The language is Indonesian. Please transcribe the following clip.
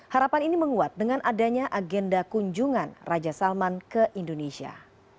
harapan ini menguat dengan adanya agenda kunjungan raja salman ke indonesia